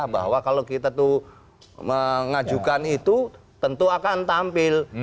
bahwa kalau kita tuh mengajukan itu tentu akan tampil